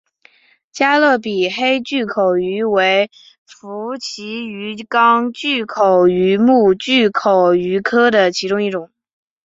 加勒比黑巨口鱼为辐鳍鱼纲巨口鱼目巨口鱼科的其中一种。